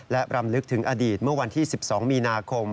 และรำลึกถึงอดีตเมื่อวันที่๑๒มีนาคม